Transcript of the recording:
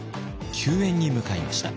救援に向かいました。